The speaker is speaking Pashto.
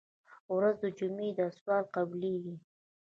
ورځ د جمعې ده سوال قبلېږي.